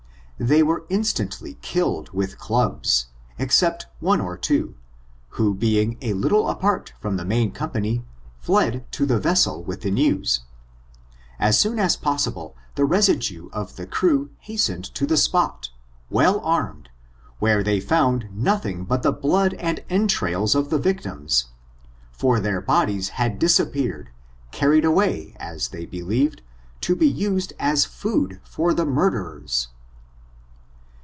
They were instantly killed with clubs, except one or two, who being a little apart from the main com pany, fled to the vessel with the news. As soon as possible, the residue of the crew hastened to the spo^ well armed, where they found nothing but the blood and entrails of the victims, for their bodies had dis appeared, carried away, as they believed, to be used as food for the murderers.